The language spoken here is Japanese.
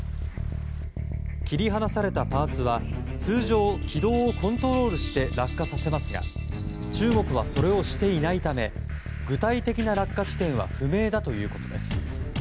切り離されたパーツは通常軌道をコントロールして落下させますが中国は、それをしていないため具体的な落下地点は不明だということです。